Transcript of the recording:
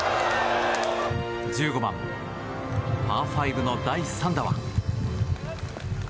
１５番、パー５の第３打は。